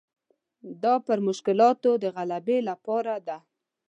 دا پر مشکلاتو د غلبې لپاره ده.